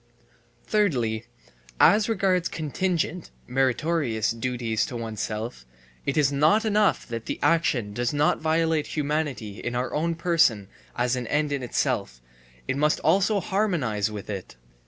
Thirdly, as regards contingent (meritorious) duties to oneself: It is not enough that the action does not violate humanity in our own person as an end in itself, it must also harmonize with it.